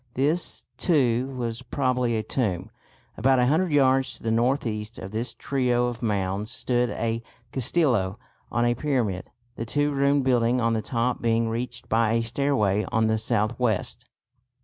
This, too, was probably a tomb. About a hundred yards to the north east of this trio of mounds stood a castillo on a pyramid, the two roomed building on the top being reached by a stairway on the south west.